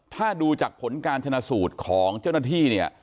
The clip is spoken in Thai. ถ้าดูจากผลการชนะสูตรของเจ้าหน้าที่เนี่ย